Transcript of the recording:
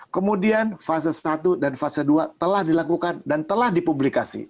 kemudian fase satu dan fase dua telah dilakukan dan telah dipublikasi